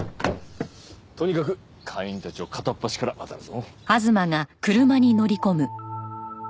とにかく会員たちを片っ端からあたるぞ。